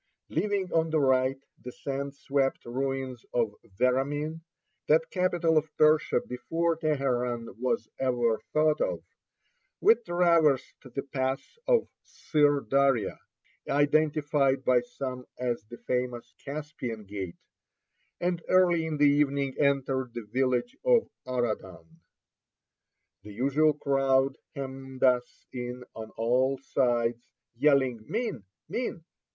Leaving on the right the sand swept ruins of Veramin, that capital of Persia before Teheran was even thought of, we traversed the pass of Sir Dara, identified by some as the famous "Caspian Gate," and early in the evening entered the village of Aradan. The usual crowd hemmed us in on all sides, yelling, "Min, min!"